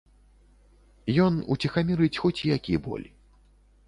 Ён уціхамірыць хоць які боль.